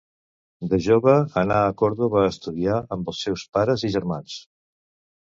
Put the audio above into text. De jove, anà a Còrdova a estudiar, amb els seus pares i germans.